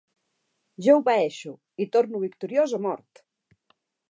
Jo obeeixo, i torno victoriós o mort!